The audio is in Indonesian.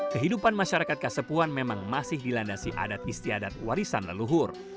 kehidupan masyarakat kasepuan memang masih dilandasi adat istiadat warisan leluhur